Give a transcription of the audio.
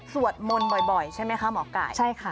สวดมนต์บ่อยใช่ไหมคะหมอไก่ใช่ค่ะ